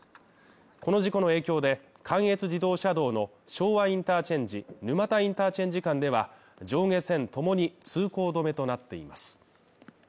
この事故の影響で、関越自動車道の昭和インターチェンジー沼田インターチェンジ間では、上下線ともに通行止めとなっています。